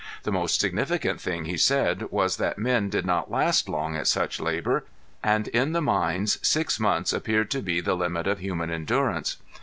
The most significant thing he said was that men did not last long at such labor, and in the mines six months appeared to be the limit of human endurance.